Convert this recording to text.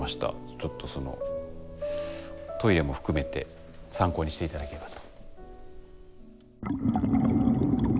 ちょっとそのトイレも含めて参考にして頂けたらと。